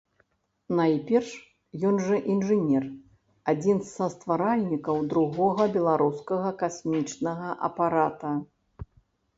Найперш, ён жа інжынер, адзін са стваральнікаў другога беларускага касмічнага апарата.